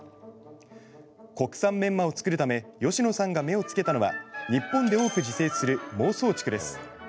国産メンマを作るため吉野さんが目を付けたのは日本で多く自生する孟宗竹です。